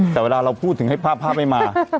แต่เวลาเราพูดถึงให้ภาพไม่มา